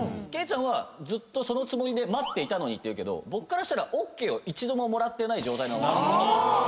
ケイちゃんはずっとそのつもりで待っていたのにって言うけど僕からしたらＯＫを一度ももらってない状態。